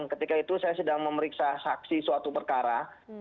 ketika itu saya sedang memeriksa saksi suatu perkara